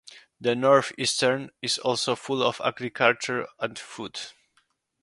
The North-Eastern is also full of agriculture and food.